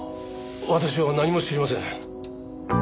私は何も知りません。